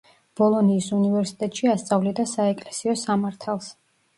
ბოლონიის უნივერსიტეტში ასწავლიდა საეკლესიო სამართალს.